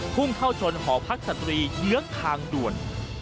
พุ่งเข้าชนหอพักสตรีเยื้องทางด่วน